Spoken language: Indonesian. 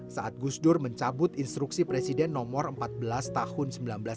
saat gus dur mencabut instruksi presiden nomor empat belas tahun seribu sembilan ratus sembilan puluh